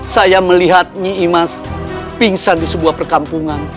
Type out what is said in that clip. saya melihat nyi imas pingsan di sebuah perkampungan